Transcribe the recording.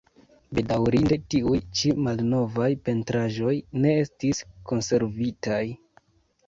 Bedaŭrinde tiuj ĉi malnovaj pentraĵoj ne estis konservitaj.